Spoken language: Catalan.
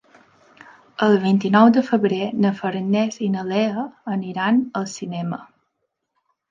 El vint-i-nou de febrer na Farners i na Lea aniran al cinema.